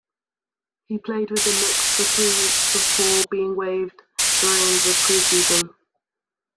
He played with the Knicks for three weeks before being waived during the pre-season.